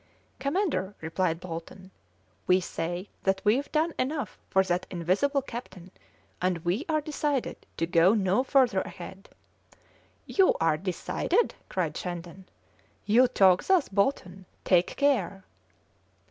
"Commander," replied Bolton, "we say that we've done enough for that invisible captain, and we are decided to go no further ahead." "You are decided?" cried Shandon. "You talk thus, Bolton? Take care!"